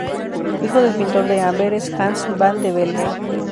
Hijo del pintor de Amberes Hans van de Velde.